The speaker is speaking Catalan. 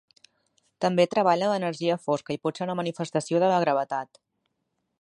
També treballa en l'energia fosca i pot ser una manifestació de la gravetat.